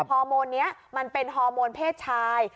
ฮอร์โมนนี้มันเป็นฮอร์โมนเพศชาย